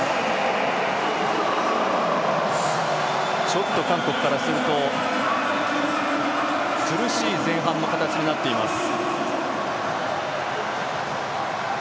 ちょっと韓国からすると苦しい前半の形になっています。